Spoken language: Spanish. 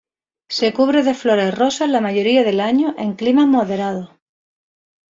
Se cubre de flores rosas la mayoría del año en climas moderados.